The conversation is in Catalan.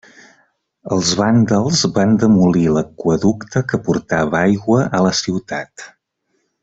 Els vàndals van demolir l'aqüeducte que portava aigua a la ciutat.